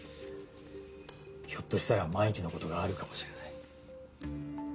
ひょっとしたら、万一のことがあるかもしれない。